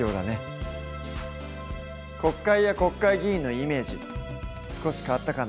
国会や国会議員のイメージ少し変わったかな？